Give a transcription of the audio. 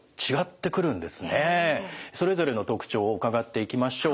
それぞれの特徴を伺っていきましょう。